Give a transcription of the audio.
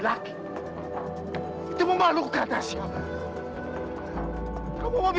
pak pi pak pi nudra nopi